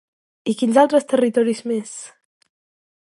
I quins altres territoris més?